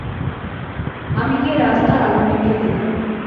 আমি গিয়ে রাস্তার আলো নিভিয়ে দিলাম।